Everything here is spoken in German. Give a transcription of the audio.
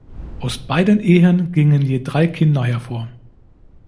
Aus beiden Ehen gingen je drei Kinder hervor.